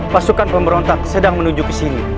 pasukan pemberontak sedang menuju ke sini